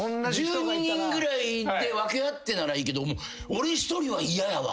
１２人ぐらいで分け合ってならいいけど俺１人は嫌やわ。